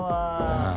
ああ。